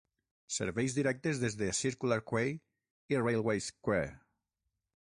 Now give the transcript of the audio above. Serveis directes des de Circular Quay i Railway Square.